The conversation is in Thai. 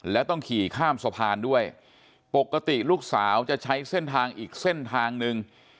แล้วต้องขี่ข้ามสะพานด้วยปกติลูกสาวจะใช้เส้นทางอีกเส้นทางหนึ่ง